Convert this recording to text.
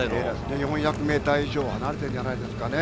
４００ｍ以上離れてるんじゃないですかね。